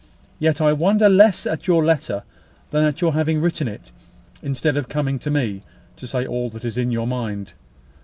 Yet I wonder less at your letter than at your having written it instead of coming to me, to say all that is in your mind.